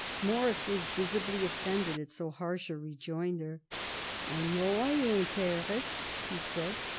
Morris was visibly offended at so harsh a rejoinder. "I know I ain't, Harris," he said.